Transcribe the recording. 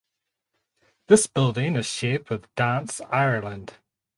This building is shared with Dance Ireland.